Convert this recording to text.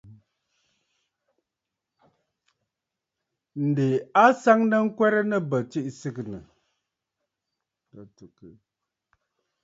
Ǹdè a nsaŋnə ŋkwɛrə nɨ̂ bə̂ tsiʼì sɨgɨ̀nə̀.